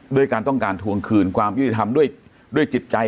ด้วยการต้องการทวงคืนความยุติธรรมด้วยจิตใจ